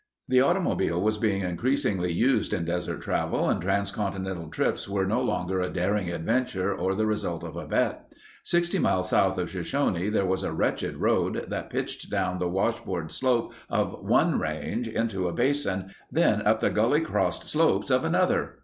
The automobile was being increasingly used in desert travel and transcontinental trips were no longer a daring adventure or the result of a bet. Sixty miles south of Shoshone there was a wretched road that pitched down the washboard slope of one range into a basin, then up the gully crossed slopes of another.